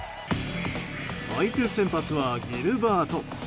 相手先発はギルバート。